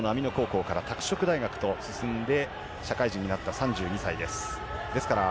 強豪・網野高校から拓殖大学へと進んで社会人になった３２歳です。